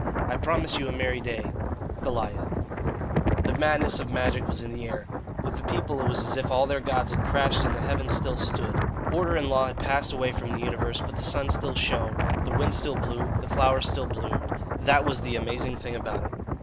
"I promise you a merry day, "GOLIAH." The madness of magic was in the air. With the people it was as if all their gods had crashed and the heavens still stood. Order and law had passed away from the universe; but the sun still shone, the wind still blew, the flowers still bloomed that was the amazing thing about it.